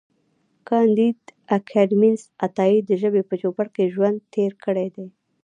کانديد اکاډميسن عطایي د ژبې په چوپړ کې ژوند تېر کړی دی.